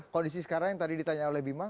kondisi sekarang yang tadi ditanya oleh bima